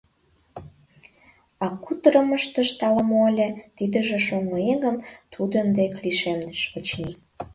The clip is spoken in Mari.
А кутырымыштышт ала-мо ыле, тидыже шоҥго Энным тудын дек лишемдыш; очыни.